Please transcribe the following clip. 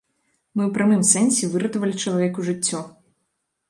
Мы ў прамым сэнсе выратавалі чалавеку жыццё.